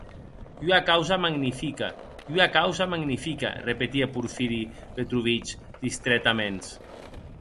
Ua causa magnifica, ua causa magnifica, repetie Porfiri Petrovitch distrètaments.